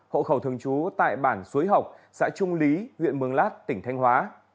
hộ khẩu thường chú tại bản xuối học xã trung lý huyện mương lát tỉnh thanh hóa